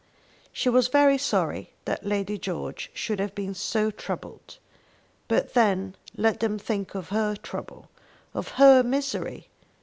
She was very sorry that Lady George should have been so troubled; but then let them think of her trouble, of her misery!